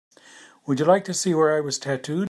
Would you like to see where I was tattooed?